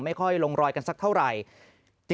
ไม่ค่อยลงรอยกันสักเท่าไหร่